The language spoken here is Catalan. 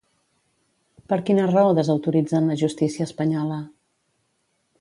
Per quina raó desautoritzen la justícia espanyola?